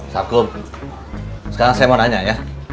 sagu sekarang saya mau nanya ya